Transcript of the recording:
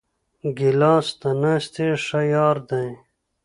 ګیلاس د ناستې ښه یار دی.